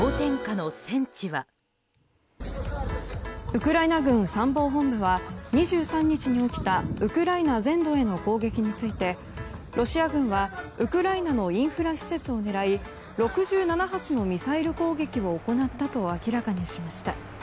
ウクライナ軍参謀本部は２３日に起きたウクライナ全土への攻撃についてロシア軍はウクライナのインフラ施設を狙い６７発のミサイル攻撃を行ったと明らかにしました。